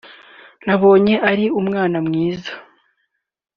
nabonye ari umwana mwiza